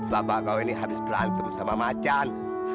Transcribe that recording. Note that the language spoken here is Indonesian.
bapak kau ini habis berantem sama macan